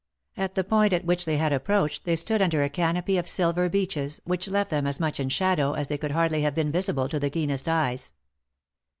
At the point at which they had approached they stood under a canopy of silver beeches, which left them so much in shadow that they could hardly have been visible to the keenest eyes.